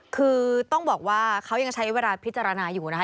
คือต้องบอกว่าเขายังใช้เวลาพิจารณาอยู่นะคะ